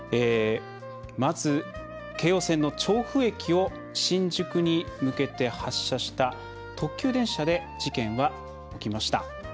まず、京王線の調布駅を新宿に向けて発車した特急電車で事件は起きました。